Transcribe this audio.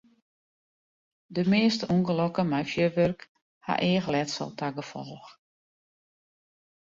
De measte ûngelokken mei fjurwurk ha eachletsel ta gefolch.